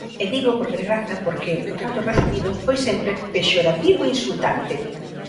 E digo por desgraza porque o trato recibido foi sempre pexorativo e insultante.